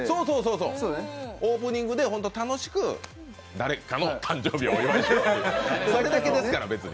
オープニングで楽しく誰かの誕生日を祝おうっていうそれだけですから、別に。